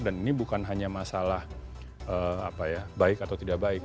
dan ini bukan hanya masalah apa ya baik atau tidak baik